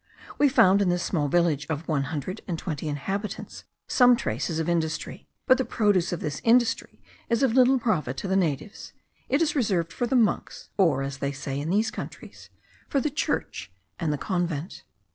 We found in this small village of one hundred and twenty inhabitants some traces of industry; but the produce of this industry is of little profit to the natives; it is reserved for the monks, or, as they say in these countries, for the church and the convent.